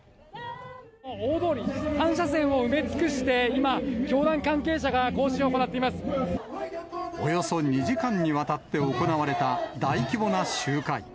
大通り、３車線を埋め尽くして今、教団関係者が行進を行っておよそ２時間にわたって行われた大規模な集会。